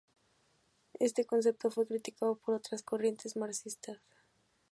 Este concepto fue criticado por otras corrientes marxistas.